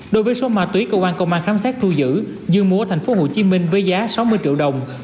đối với số ma túy cơ quan công an khám sát thu giữ dương mua ở thành phố hồ chí minh với giá sáu mươi triệu đồng